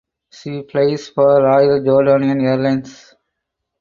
She flies for Royal Jordanian Airlines.